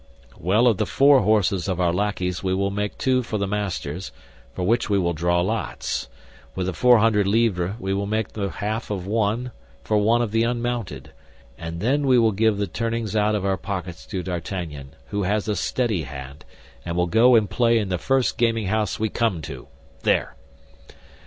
"Well, of the four horses of our lackeys we will make two for the masters, for which we will draw lots. With the four hundred livres we will make the half of one for one of the unmounted, and then we will give the turnings out of our pockets to D'Artagnan, who has a steady hand, and will go and play in the first gaming house we come to. There!"